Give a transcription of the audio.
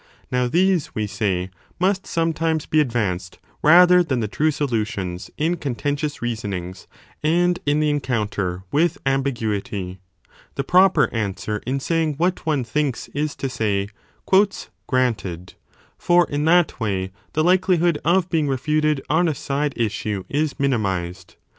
Now these, we say, must sometimes be advanced rather than the true solutions in contentious reasonings and in the encounter with ambi 1 i6o a 23ff. 2 I75 b 39. Read CHAPTER XVII i 7 6 a guity. The proper answer in saying what one thinks is to say Granted ; for in that way the likelihood of being refuted on a side issue is minimized.